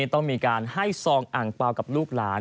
ต้องมีการให้ซองอ่างเปล่ากับลูกหลาน